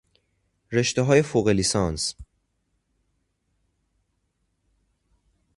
رشتههای فوق لیسانس